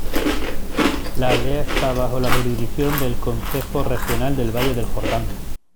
La aldea está bajo la jurisdicción del Concejo Regional del Valle del Jordán.